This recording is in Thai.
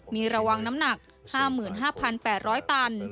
มีระวังน้ำหนัก๕๕๘๐๐ตัน